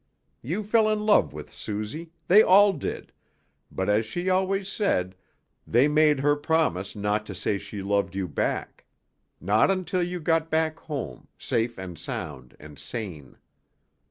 You fell in love with Suzy, they all did, but as she always said, they made her promise not to say she loved you back. Not until you got back home, safe and sound and sane.